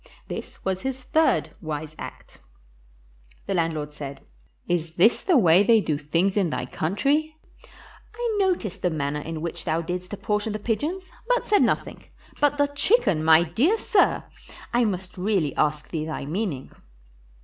This was his third wise act. The landlord said, "Is this the way they do tilings in thy country? I noticed the manner in which thou didst apportion the pigeons, but said nothing; but the chicken, my dear sir! I must really ask thee thy meaning."